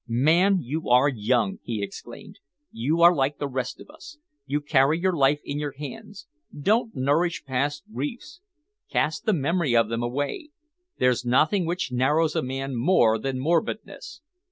"Man, you are young!" he exclaimed. "You are like the rest of us. You carry your life in your hands. Don't nourish past griefs. Cast the memory of them away. There's nothing which narrows a man more than morbidness.